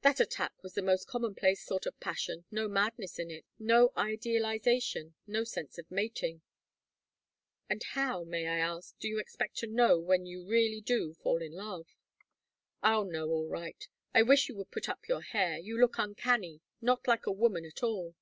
That attack was the most commonplace sort of passion, no madness in it, no idealization, no sense of mating " "And how, may I ask, do you expect to know when you really do fall in love " "I'll know, all right. I wish you would put up your hair. You look uncanny, not like a woman at all.